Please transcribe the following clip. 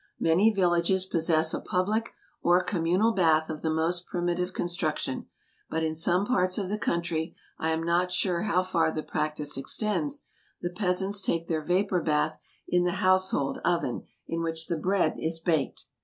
Many villages possess a public or communal bath of the most prim itive construction, but in some parts of the country — I am not sure how far the practice extends — the peasants take their vapor bath in the household oven in which the bread is baked